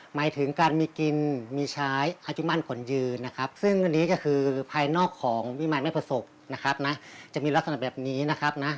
หมายถึงการมีกินมีใช้คาจุมั่นคนยืนนะครับซึ่งอันนี้ก็คือภายนอกของวิมารไม่ประสบนะครับนะจะมีลักษณะแบบนี้นะครับนะ